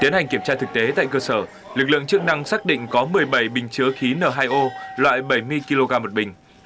tiến hành kiểm tra thực tế tại cơ sở lực lượng chức năng xác định có một mươi bảy bình chứa khí n hai o loại bảy mươi kg một bình